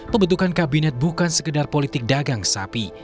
pembentukan kabinet bukan sekedar politik dagang sapi